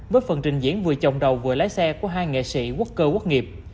với phần trình diễn vừa chồng đầu vừa lái xe của hai nghệ sĩ quốc cơ quốc nghiệp